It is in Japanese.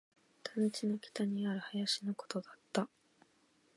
団地の北にある林のことだった